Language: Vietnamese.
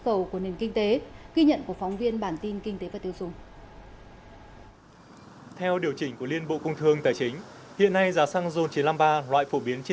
trong bối cảnh doanh nghiệp có nhiều khó khăn người tiêu dùng đang phải thắt chặt chi tiêu